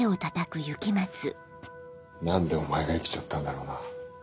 何でお前が生きちゃったんだろうな。